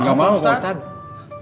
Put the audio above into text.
gak mau pak ustadz